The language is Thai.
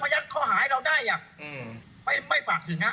ไม่ฝากถึงนะไม่รู้จะฝากทำไม